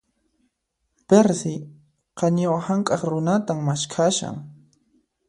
Perci, qañiwa hank'aq runatan maskhashan.